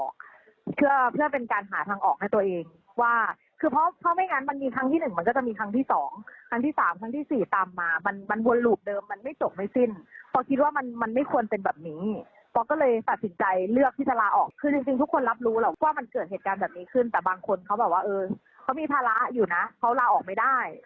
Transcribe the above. คือเขามีทาระอยู่นะเขาลาออกไม่ได้